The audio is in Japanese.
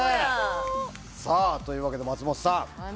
というわけで松本さん。